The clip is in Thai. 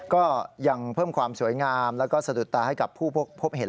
ก็ยังเพิ่มความสวยงามแล้วก็สะดุดตาให้กับผู้พบเห็น